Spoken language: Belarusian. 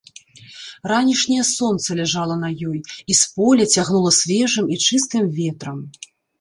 Ранішняе сонца ляжала на ёй, і з поля цягнула свежым і чыстым ветрам.